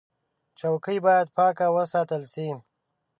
چوکۍ باید پاکه وساتل شي.